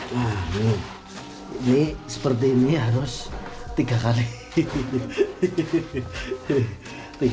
nah ini seperti ini harus tiga kali